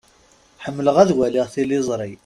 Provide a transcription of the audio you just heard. Ḥemmleɣ ad waliɣ tiliẓṛi.